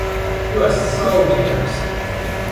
You are so generous!